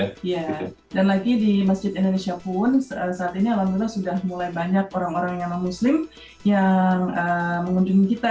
iya dan lagi di masjid indonesia pun saat ini alhamdulillah sudah mulai banyak orang orang yang non muslim yang mengunjungi kita